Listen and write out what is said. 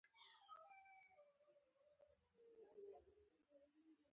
آیا نړۍ زموږ تولیدات پیژني؟